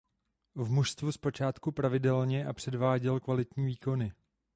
V mužstvu zpočátku pravidelně a předváděl kvalitní výkony.